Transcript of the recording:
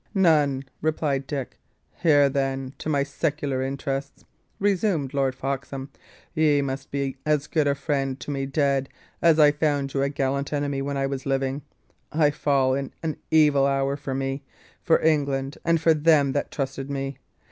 "None," replied Dick. "Here, then, to my secular interests," resumed Lord Foxham: "ye must be as good a friend to me dead, as I found you a gallant enemy when I was living. I fall in an evil hour for me, for England, and for them that trusted me.